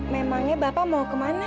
memangnya bapak mau kemana